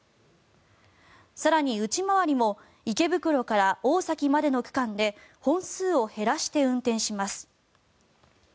更に、内回りも池袋から大崎までの区間で本数を減らして運転します。